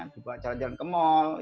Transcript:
dibawa jalan jalan ke mall